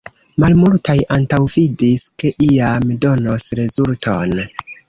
Malmultaj antaŭvidis, ke iam donos rezulton.